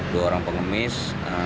dua orang pengemis